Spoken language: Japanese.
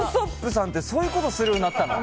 さんってそういうことするようになったの？